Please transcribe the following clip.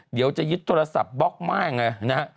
เดี๋ยวจะยึดโทรศัพท์บล็อกม่าไงนะฮะ